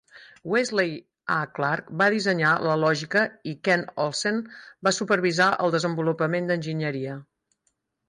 Wesley A. Clark va dissenyar la lògica i Ken Olsen va supervisar el desenvolupament d'enginyeria.